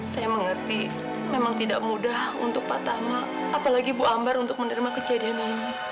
saya mengerti memang tidak mudah untuk pak tama apalagi bu ambar untuk menerima kejadian ini